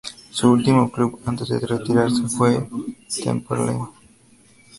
Su último club antes de retirarse fue Temperley.